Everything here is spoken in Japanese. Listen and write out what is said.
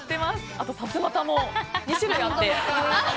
あと、さすまたも２種類あって。